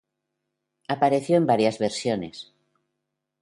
Apareció en varias versiones.